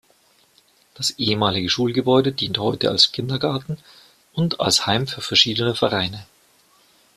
Das ehemalige Schulgebäude dient heute als Kindergarten und als Heim für verschiedene Vereine.